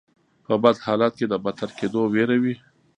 په بد حالت کې د بدتر کیدو ویره وي.